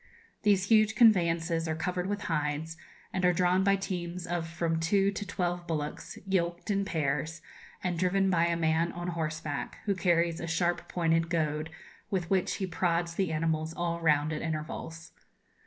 These huge conveyances are covered with hides, and are drawn by teams of from two to twelve bullocks, yoked in pairs, and driven by a man on horseback, who carries a sharp pointed goad, with which he prods the animals all round, at intervals.